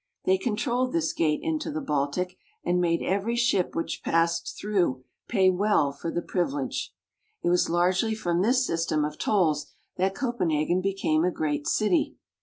They con trolled this gate into the Baltic, and made every ship which passed through pay well for the privilege. It was largely from this system of tolls that Copenhagen became a great city.